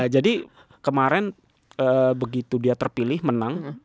jadi kemarin begitu dia terpilih menang